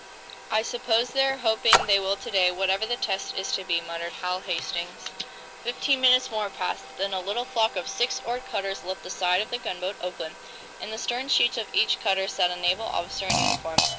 "I suppose they're hoping they will to day, whatever the test is to be," muttered Hal Hastings. Fifteen minutes more passed. Then a little flock of six oared cutters left the side of the gunboat "Oakland." In the stern sheets of each cutter sat a naval officer in uniform.